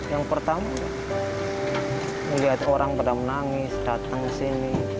yang pertama melihat orang pada menangis datang ke sini